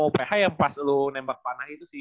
uph yang pas lu nembak panah itu sih